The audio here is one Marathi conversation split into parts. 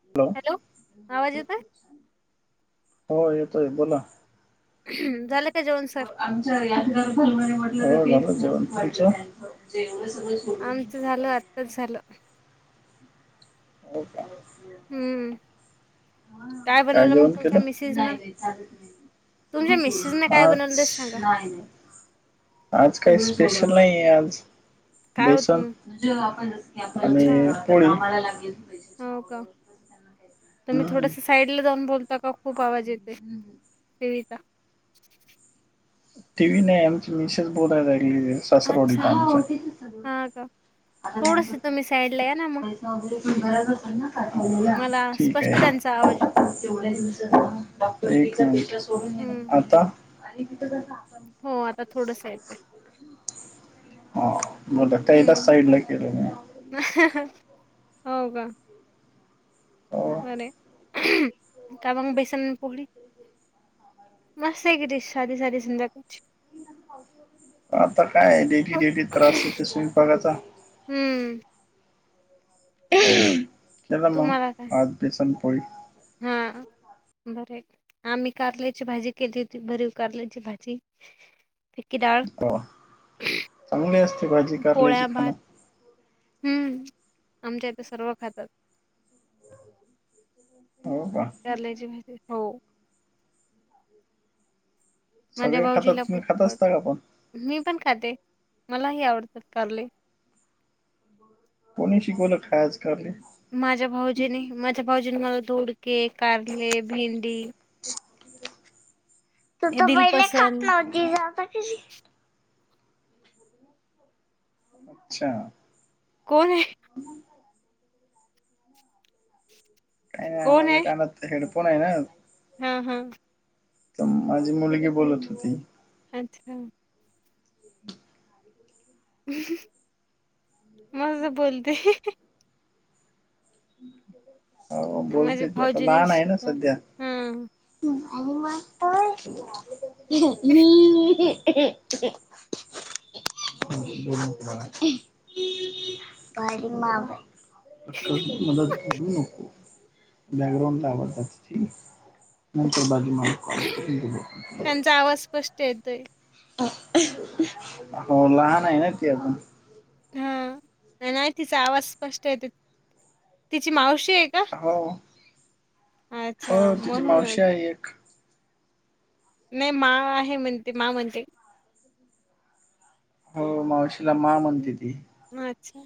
हॅलो, आवाज येतोय हो येतोय बोला. झालं का जेवण सर? हो, झालं जेवण तुमच्या? आमचं झालं, आत्ताच झालं. हो का? हम्म. काय बनवलं मग जेवण तुमच्या केलं? मिसेस न तुमच्या मिसेस न काय अच, बनवलं ते सांगा नाही नाही आज काही स्पेशल नाही, आहे आज. काय होतं बेसन, मग आणि अच्छा पोळी. हो का? तर मी हम्म थोडस साईड ला जाऊन बोल त खूप आवाज येते, टीव्हीत- टी व्ही नाही आमची, मिशेश बोलायला लागली अच्छा सासरोवडीत आमचं. हा का आता नाही थोडस प तुम्ही साईडला या ना मग पैसा वगैरे, त घरात असल ना मला स्पष्ट त्यांचा, आवाज येतोय. वढ दि सोडून, हम्म आता. [inaudible] हो आता थोडस येतोय बरं, हम्म साईड ला केलेले मग. हो का? हो वे, कारवा बेसेण पुोढळी. मस्त आहे की डिश साधी साधी समजा [unintelligible] आता काय आहे डेली डेली त्रास येते स्वयंपाकाचा. हम्म. केला मग आज बेसन पोळी? हां. बर आम्ही कारल्याची भाजी केली होती भरीव कारल्याची भाजी. फिक्की डाळ, हो चांगली असते भाजी कारल्याची पोळाया, खाणं भात हम्म आमच्या इथे सर्व खातात. हो का? [unintelligible] हो. माझ्या सगळे खातात भाऊजीला पण तुम्ही खात पड असता का पण मी पण खाते मलाही आवडतात कारले. हो [unintelligible] कोणी शिकवलं खायच कारले? माझ्या भाऊजीनी माझ्या भाऊजीनी मला धोडके कारले, भेंडी [inaudible] तू तर पहिले खात दिलपसंद नवते आता कशी क [unintelligible] अच्छा. कोण आहे? काही नाही माझ्या कानात हेडफोन आहे ना हम् हम.. हो माझी मुलगी बोलत होती. अच्छा मग ज बोलते हो माझ्या बोलते ती आता भाऊजीने लहान आहे ना शिकव सध्या. हा आणि मग मी [unintelligible] [inaudible] बा मा [unintelligible] मदत [unintelligible] क बॅकग्राउं आवडतात नाही तर बाजी म [unintelligible] ह [unintelligible] कष्ट येतेय. हो लहान आहे ना ती अजून. हा नाही तिचा आवाज स्पष्ट येते तिची मावशी आहे का? हो अच्छा हो तिची म्हणूनच. मावशी आहे एक. नाही मा आहे म्हणते मा म्हणते हो मावशीला मार म्हणते ती. माच्छा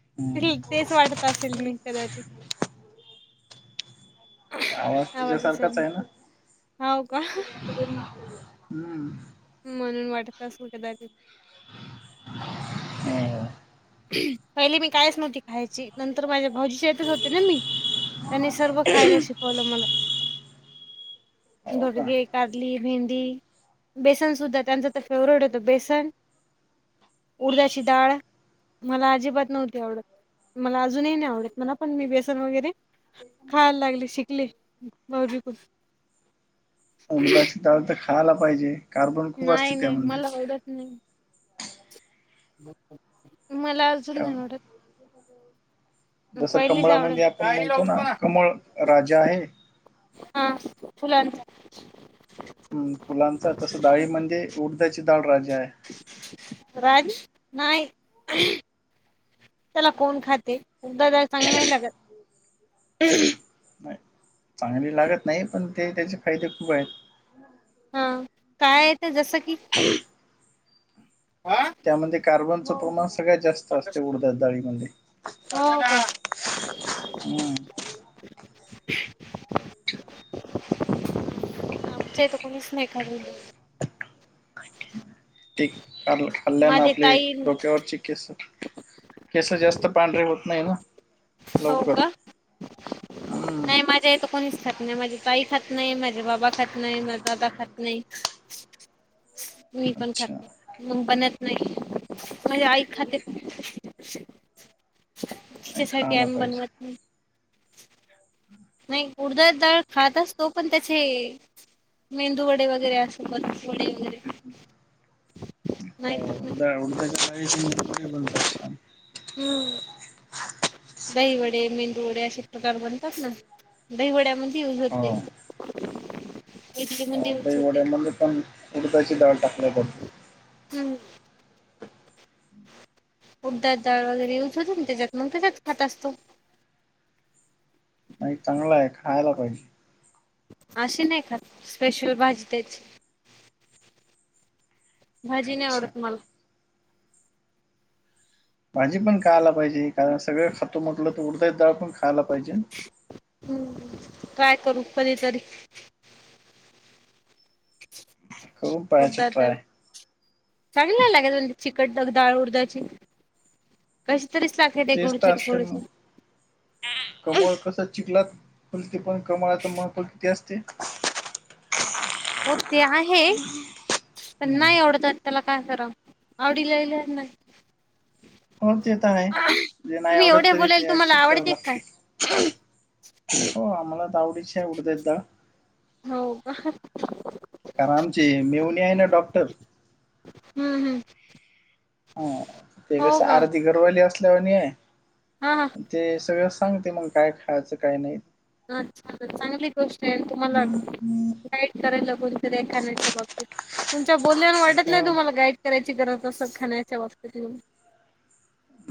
हम्म [unintelligible] तेच वाटत असेल मी कदाचित. आवाज तिच्यासारखाच आवाजाच्याने. आहे ना हो का? हम्म. म्हणून वाटत असल कदाचित. ह [unintelligible] पहिले मी कायच नव्हती खायची नंतर माझ्या भाऊजी चेतच होते ना मी त्यानी सर्व खायला शिकवलं मला. हो हो का घोडगे कारली भेंडी बेसन सुद्धा त्यांचं तर फेवरेट होतं बेसन उडदाची डाळ मला अजिबात नव्हती आवडत मला अजूनही नाही आवडत मला पण मी बेसन वगैरे खायला लागली शिकली भाऊजप उडदाची डाळ तर खायला पाहिजे कार्बन खूप नाही असते नाही त्यामध्ये. मला आवडत नाही. मला अजून कारण नाय आवडत. जसं पहिलीच कमळामध्ये आपण म्हणतो ना आवडत कमळ राजा आहे. हा फुलांचा हम्म फुलांचा तसं डाळी म्हणजे उडज्याची डाळ राजा आहे. राज नाही. त्याला कोण खाते उड्डा डाळ चांगली नाही लागत. नाही चांगली लागत नाही पण ते त्याचे फायदे खूप आहेत. हा काय येते जसं की थ व्हा. त्यामध्ये कार्बनचं प्रमाण सगळ्यात जास्त असतय उडदा डळीमध्ये. हो का. हा. आमच्या इथं कुणीच नाही खालवल. त खाल्ल्याना माझे आपली ताई डोक्यावरची. केस केस जास्त पांढरे होत नाही ना. हो लवकर का हम्म. नाही माझ्या येत कोणीच खात नाही माझी ताई खात नाही माझे बाबा खात नाही माझा दादा खात नाही. [inaudible] मी पण अच्छा खाते नाही मग बनत नाही माझी आई खाते. तिच्यासाठी खायला आम्ही पाहिजे बनवत नाही नाही उडद डाळ खात अस तो पण त्याचे मेंदू वडे वगैरे असो [inaudible] वडे वगैरे नाही हो डाळ उडदाची [unintelligible] बनवतात. हम्म. दही वडे मेंदू वडे असे प्रकार बनतात ना दहीवड्या म्हण ती हो होते. इडली ओ मध्ये युज होते दहीवड्यामध्ये पण उडदाची डाळ टाकण्यात आली. हम्म. उडदा डाळ वगैरे यूज होतो ना त्याच्यात मग त्याच्यात खात असतो. नाही चांगला आहे खायला पाहिजे. अशी नाही खात स्पेशल भाजी त्याची. भाजी नाही अच्छा आवडत मला. भाजी पण खायला पाहिजे कारण सगळं खातो म्हटलं तर उडदय डाळ पण खायला पाहिजे. हम्म ट्राय करू कधतरी. करून पाहायचं ट्राय उडदादल चांगल्या लागत ना ती चिकट दग दाळ उडदाची. कशी तरीच लागते तेच गुडचे. तर असते ना [unintelligible] कमळ कसं चिकलात फलते पण कमळाचा महत्व किती असते. हो ते आहे पण हम्म नाही आवडतात. त्याला काय कराव आवडीलाहिल्या ना. हो ते तर आहे जे नाही तुम्ही आवडत एवढे तरी बोलाल ते तुम्हाला ऍक्सेप्ट कराला आवडते काय लागतय. हो आम्हाला तावडीचे आहे उडदा डाळ हो का. करा आमची मेहुणी आहे ना डॉक्टर. हम्म हम्म. ह ते हो कसं का आरती घरवाली असल्यावर नी हा हा. ते सगळं सांगते मग काय खायचं काय नाही. [inaudible] छानच चांगली गोष्ट आहे तुम्हाला गाईड करायला कोणचं देखाण्याच्या बाबतीत. तुमच्या बोलण्याहून वाटत नाही हो. तुम्हाला गाईड करायची गरज असेल खाण्याच्या बाबतीत म्हणुन.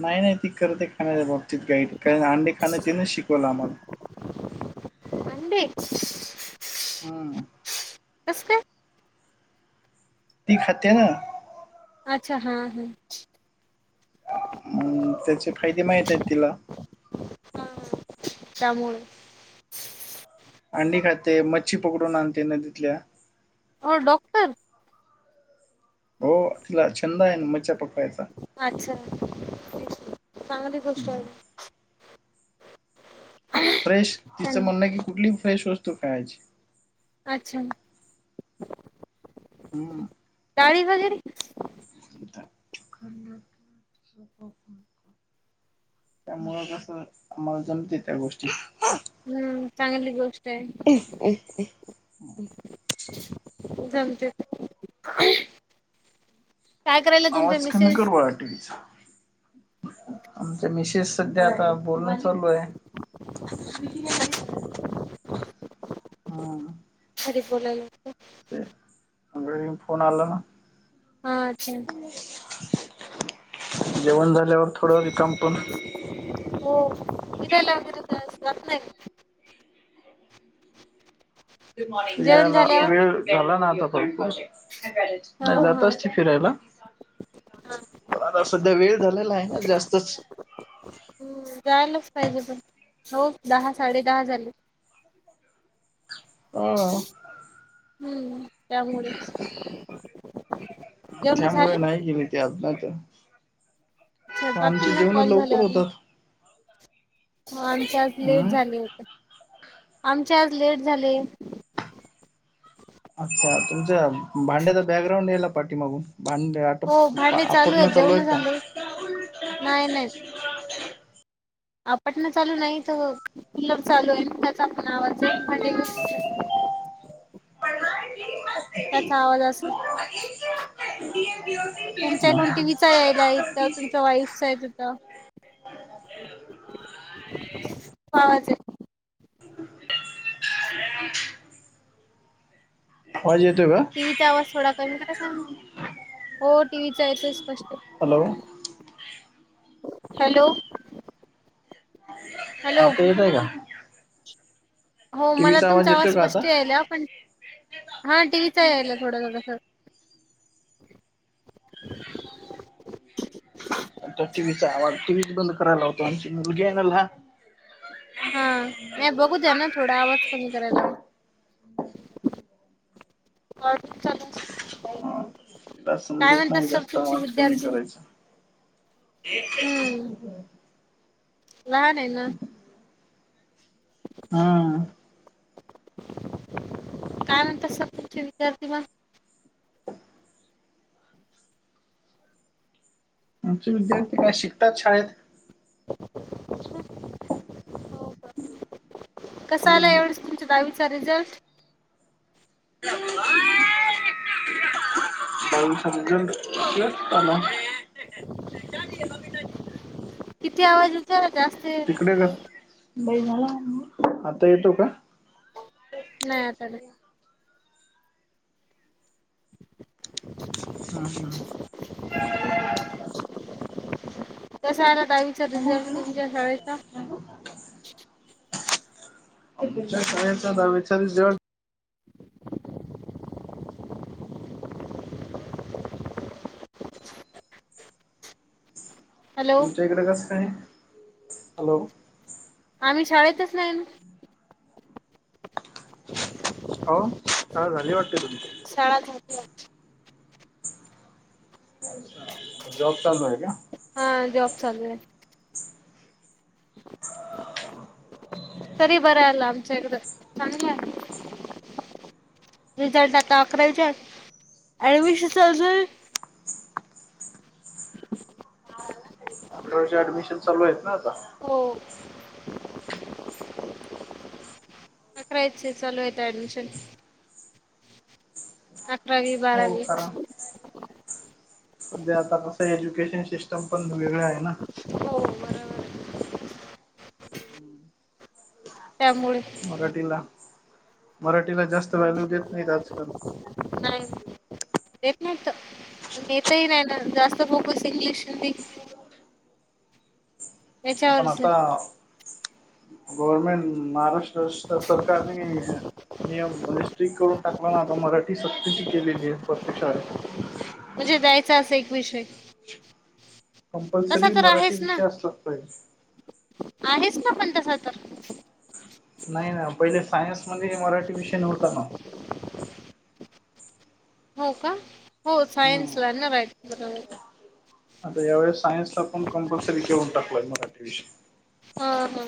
नाही नाही ती करते खाण्याच्या बाबतीत गाईड कारण अंडी खाणं तिने शिकवलं आम्हाला. अंडी हा. [inaudible] कसं काय? ती खात्या का? अच्छा हा हा. अ त्याचे फायदे माहित आहेत तिला. ह त्यामुळे. अंडी खाते मच्छी पकडून आणते नदीतल्या. ओ डॉक्टर हो तिला छंद आहे मच्छा पकवायचा. अच्छा ठीक आहे चांगली गोष्ट आहे. फ्रेश छान तिचं म्हणणं हाय की कुठलीही फ्रेश वस्तू खायाची. अच्छा! हा. चाळीस हजेरी. [inaudible] त्यामुळं कसं आम्हाला जमते त्या गोष्टी. हम्म चांगली गोष्ट आहे. अ [inaudible] जमतय [inaudible] आवाज कमी कर मिसेस बाळा टीव्हीचा. आमचे मिसेस सध्या आता बोलणं चालू आहे. अच्छा [inaudible] हा. घरी बोलालेत. [unintelligible] फोन आलेला. हा.. [unintelligible] जेवण झाल्यावर थोडं रिकाम पण. हो [unintelligible] [inaudible] जेवण फिरायला झाल्यावर वेळ झाला ना आता भरपूर? हा नाही हा हा जातच फिरायला पण आता सध्या वेळ झालेला आहे ना जास्तच. हम्म जायलाच पाहिजे पण, हो दहा साडे दहा झाले. हो. हम्म त्यामुळेच. आणि त्यामुळे नाही गेली ते अच्छा, [unintelligible] आमच जातील ना जेवण लवकर होत. आमच्या आज लेट हम्म झाले होते‌. आमच्या आज लेट झाले. अच्छा तुमच्या भांड्याचा बॅकग्राउंड पाठी मागून भांड हो भांडे चालू आहेत जेवण झाले. नाही नाही. आपटण चालू नाही, तर कुलर चालू आहे ना त्याचा पण आवाज आहे आणि भांडी घासून राहिली. त्याचा आवाज असेल तुमच्या इथून टीव्हीचा यायला आहेत. त्या तुमच्या वाईलसचा येत होता. [unintelligible] आवाज येतोय का? टीव्हीचा आवाज थोडा कमी कराय सांग, हो टीव्हीचा येतोय स्पष्ट. हॅलो! हॅलो. हॅलो आता येतोय का? हो मला टीव्हीचा तुमचा आवाज येतोय का आता स्पष्ट यायला पण हां टी व्ही चाही यायला थोडा-थोडासा. नंतर टीव्हीचा आवाज बंद करायला लावतो आमची मुलगी आहे ना लहान. हा नाही थोडं बघू द्या ना थोडा वेळ नाही तर मग आवाज कमी करायला लावा. [unintelligible] हा तिला काय समजत म्हणतात नाही सर जास्त तुमचे आवाज कमी विद्यार्थी करायचा. हम्म [unintelligible] लहान आहे ना. हा. काय म्हणतात सर तुमचे विद्यार्थी मग ह [unintelligible] आमचे विद्यार्थी काय शिकतात शाळेत अच्छा हो का कसं आला हम्म एवढेच तुमचं दहावीचा रिझल्ट [unintelligible] किती आवाज येतोय जास्त [unintelligible] बाई झाला ना आता येतो का? नाय आता नाय. हां हां. कसं आलात. दहावीचा रिझल्ट तुमच्या शाळेचा. आमच्या शाळेचा दहावीचा रिझल्ट हॅलो तुमच्या इकडं कसं हाय हॅलो. आम्ही शाळेतच नाही ना. [inaudible] हो शाळा झाली वाटतं तुमची? शाळा झाली. जॉब चालू आहे का. हा जॉब चालू ये. [inaudible] तरी बरं आलं आमच्या इकडं चांगलाय. रिझल्ट आता अकरावीच्या ऍडमिशन चालू झाले. पोराचं ऍडमिशन. चालू आहेत ना आता. को. अकरावी चं चालू येत ऍडमिशन. अकरावी हो बारावी. म्हणजे आता कसं एज्युकेशन सिस्टम पण वेगळ आहे ना. हो बरोबर ये. त्यामुळे. मराठीला मराठीला जास्त व्हॅल्यू देत नाहीत आजकाल. नाही न. देत नाहीत देतही नाही ना जास्त फोकस इंग्लिश हिंदी. म याच्यावरच आहे. आता गवर्नमेंट. महाराष्ट्र सरकारने नियम स्ट्रिक्ट करून. आता ना आता मराठी सक्तीची केलेली आहे प्रत्येक शाळेत. म्हणजे द्यायचा असं एक विषय. तसा कंपल्सरी तर मराठी आहेच ना विषय असलाच पाहिजे. आहेच का पण तसा तर. नाही ना पहिले सायन्स मध्ये मराठी विषय नव्हता ना. [inaudible] हो का, हो हम्म. सायन्सलाना येणार आहेत बरोबर. आता या वेळेस सायन्सला पण, कंपलसरी घेऊन टाकलाय मराठी विषय. हा हा.